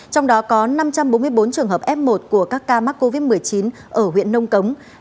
trong đó có năm trăm bốn mươi bốn trường hợp f một của các ca mắc covid một mươi chín ở huyện nông cống